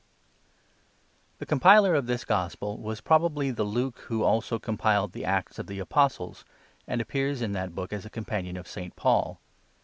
D. The compiler of this gospel was probably the Luke who also compiled the ' Acts of the Apostles ' and appears in that book as a companion of St. Paul.